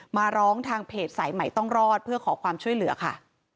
มาร้องทางเพจสายใหม่ต้องรอดเพื่อขอความช่วยเหลือค่ะ